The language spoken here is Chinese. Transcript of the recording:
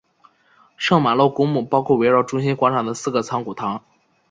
圣玛洛公墓包括围绕中心广场的四个藏骨堂。